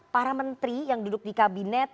para menteri yang duduk di kabinet